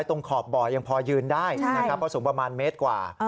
ขอบบ่อยังพอยืนได้นะครับเพราะสูงประมาณเมตรกว่า